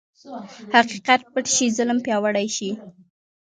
حقیقت پټ شي، ظلم پیاوړی شي.